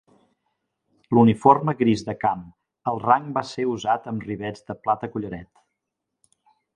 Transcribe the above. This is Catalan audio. L'uniforme gris de camp, el rang va ser usat amb rivets de plata collaret.